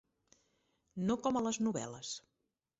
No com a les novel·les!